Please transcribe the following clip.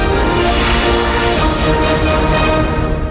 โปรดติดตามตอนต่อไป